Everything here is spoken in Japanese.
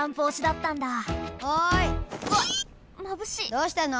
どうしたの？